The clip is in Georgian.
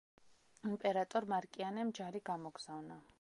იმპერატორ მარკიანემ ჯარი გამოგზავნა.